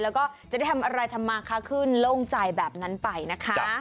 แล้วก็จะได้ทำอะไรทำมาค้าขึ้นโล่งใจแบบนั้นไปนะคะ